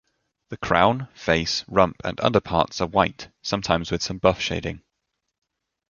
The crown, face, rump and underparts are white, sometimes with some buff shading.